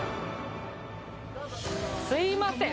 すいません。